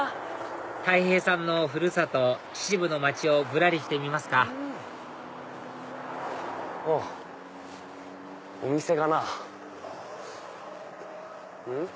たい平さんの古里秩父の町をぶらりしてみますかおっお店かな。